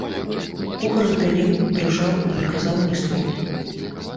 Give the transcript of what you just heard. Кухар збялеў, дрыжаў і не казаў ні слова.